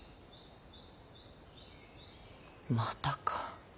またか。